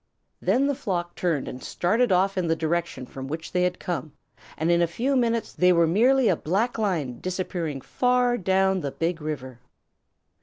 Then the flock turned and started off in the direction from which they had come, and in a few minutes they were merely a black line disappearing far down the Big River.